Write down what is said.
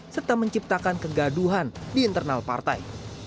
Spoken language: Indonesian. serta menciptakan kegaduhan di internal partai